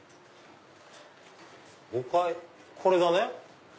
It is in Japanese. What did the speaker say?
これだね。